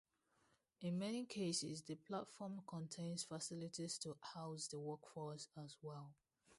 In many cases, the platform contains facilities to house the workforce as well.